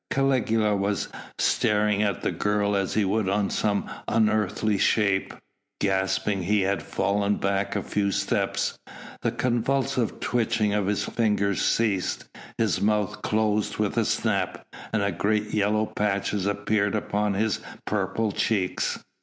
Caligula was staring at the girl as he would on some unearthly shape. Gasping he had fallen back a few steps, the convulsive twitching of his fingers ceased, his mouth closed with a snap, and great yellow patches appeared upon his purple cheeks.